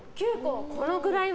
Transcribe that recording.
このくらいは。